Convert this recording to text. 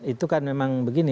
itu kan memang begini